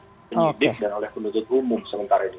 penyidik dan oleh penuntut umum sementara ini